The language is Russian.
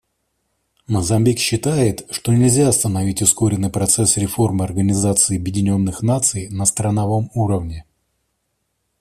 Мозамбик считает, что нельзя остановить ускоренный процесс реформы Организации Объединенных Наций на страновом уровне.